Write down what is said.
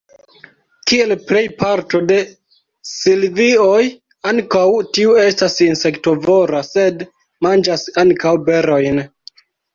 Kiel plej parto de silvioj, ankaŭ tiu estas insektovora, sed manĝas ankaŭ berojn.